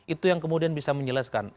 itu yang kemudian bisa menjelaskan